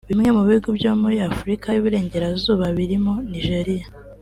Bimwe mu bihugu byo muri Afurika y’Uburengerazuba birimo Niger